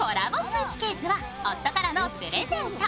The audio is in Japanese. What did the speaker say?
スーツケースは夫からのプレゼント。